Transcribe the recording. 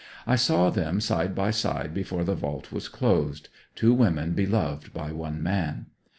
I saw them side by side before the vault was closed two women beloved by one man.